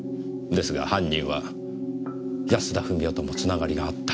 ですが犯人は安田富美代ともつながりがあった。